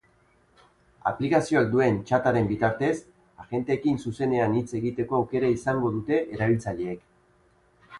Aplikazioak duen txataren bitartez, agenteekin zuzenean hitz egiteko aukera izango dute erabiltzaileek.